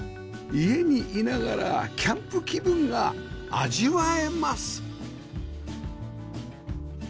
家にいながらキャンプ気分が味わえます